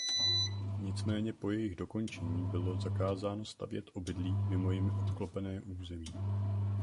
Nicméně po jejich dokončení bylo zakázáno stavět obydlí mimo jimi obklopené území.